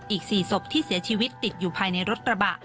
อีก๔ศพที่เสียชีวิตติดอยู่ภายในรถกระบะ